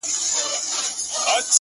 پاس پر پالنگه اكثر ـ